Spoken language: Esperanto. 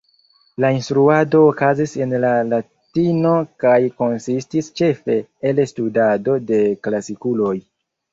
La instruado okazis en la latino kaj konsistis ĉefe el studado de klasikuloj.